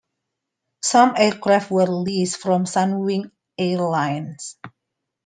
Some aircraft were leased from Sunwing Airlines.